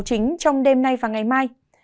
chính trong đêm nay và ngày mai